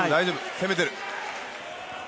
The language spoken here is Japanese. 攻めてる。